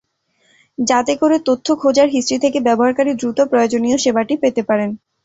যাতে করে তথ্য খোঁজার হিস্ট্রি থেকে ব্যবহারকারী দ্রুত প্রয়োজনীয় সেবাটি পেতে পারেন।